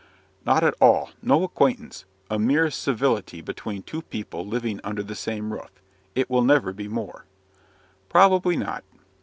"Not at all, no acquaintance; a mere civility between two people living under the same roof. It will never be more." "Probably not."